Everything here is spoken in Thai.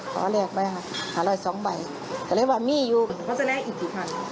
ขอแลกไปค่ะหาร้อยสองใบก็เลยว่ามีอยู่เขาจะแลกอีกกี่พัน